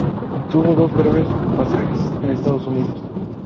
Tuvo dos breves pasajes en Estados Unidos.